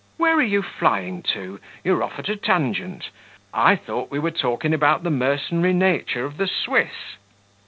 "Where are you flying to? You are off at a tangent I thought we were talking about the mercenary nature of the Swiss."